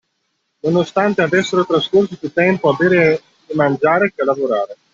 Nonostante avessero trascorso più tempo a bere e mangiare che a lavorare